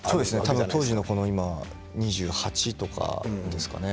当時２８歳とかですかね。